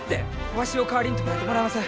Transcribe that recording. わしを代わりに捕らえてもらいます。